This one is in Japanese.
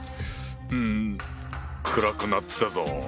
うん暗くなったぞ。